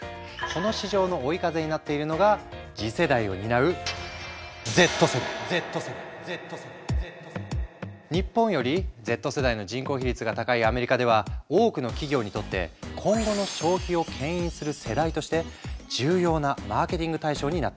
この市場の追い風になっているのが次世代を担う日本よりＺ世代の人口比率が高いアメリカでは多くの企業にとって今後の消費をけん引する世代として重要なマーケティング対象になっている。